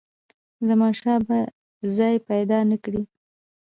زمانشاه به ځای پیدا نه کړي.